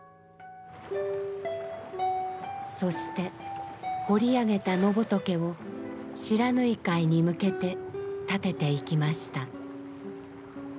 そして彫り上げた野仏を不知火海に向けてたてていきました。